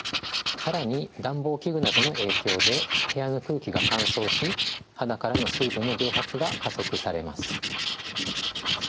更に暖房器具などの影響で部屋の空気が乾燥し肌からの水分の蒸発が加速されます。